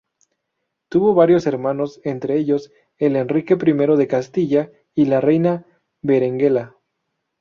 Tuvo varios hermanos, entre ellos, el Enrique I de Castilla y la reina Berenguela.